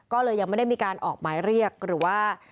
ก็เลยยังไม่ได้มีการออกหมายเรียกหรือว่า